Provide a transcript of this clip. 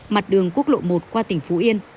mặt đường quốc lộ một qua tỉnh phú yên